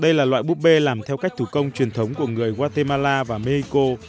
đây là loại búp bê làm theo cách thủ công truyền thống của người guatemala và mexico